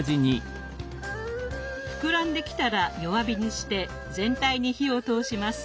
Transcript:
膨らんできたら弱火にして全体に火を通します。